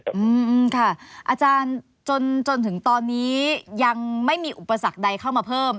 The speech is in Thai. อืมค่ะอาจารย์จนจนถึงตอนนี้ยังไม่มีอุปสรรคใดเข้ามาเพิ่ม